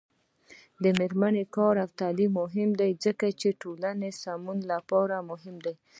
د میرمنو کار او تعلیم مهم دی ځکه چې ټولنې سمون لپاره مهم دی.